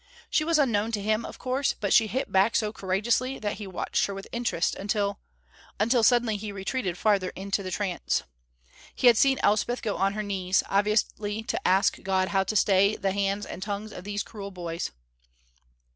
She was unknown to him, of course, but she hit back so courageously that he watched her with interest, until until suddenly he retreated farther into the trance. He had seen Elspeth go on her knees, obviously to ask God to stay the hands and tongues of these cruel boys.